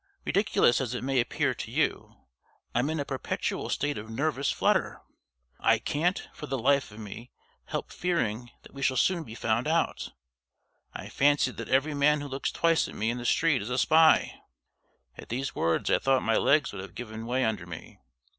Ridiculous as it may appear to you, I'm in a perpetual state of nervous flutter. I can't, for the life of me, help fearing that we shall be found out. I fancy that every man who looks twice at me in the street is a spy " At these words I thought my legs would have given way under me.